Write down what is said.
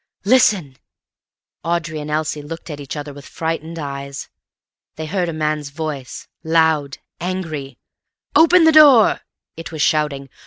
"Listen!" Audrey and Elsie looked at each other with frightened eyes. They heard a man's voice, loud, angry. "Open the door!" it was shouting.